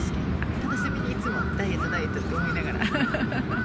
片隅いつも、ダイエット、ダイエットと思いながら。